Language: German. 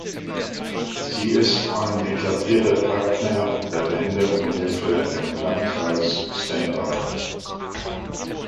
Sie ist ein etablierter Partner der Behindertenhilfe im Landkreis Stendal.